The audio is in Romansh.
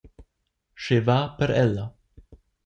Sche va per ella!